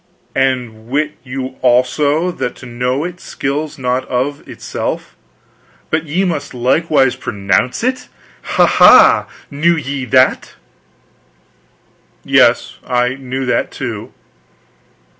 "And wit you also that to know it skills not of itself, but ye must likewise pronounce it? Ha ha! Knew ye that?" "Yes, I knew that, too."